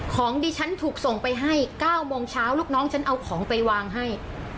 ของดิฉันถูกส่งไปให้๙โมงเช้าลูกน้องฉันเอาของไปวางให้